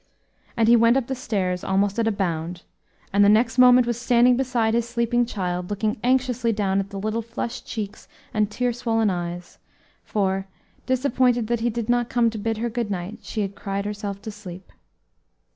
And he went up the stairs almost at a bound, and the next moment was standing beside his sleeping child, looking anxiously down at the little flushed cheeks and tear swollen eyes, for, disappointed that he did not come to bid her good night, she had cried herself to sleep.